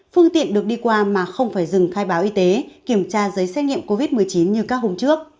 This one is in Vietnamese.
phương tiện được đi qua mà không phải dừng khai báo y tế kiểm tra giấy xét nghiệm covid một mươi chín như các hôm trước